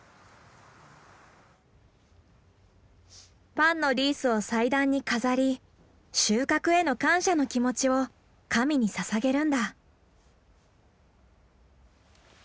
パンのリースを祭壇に飾り収穫への感謝の気持ちを神にささげるんだ。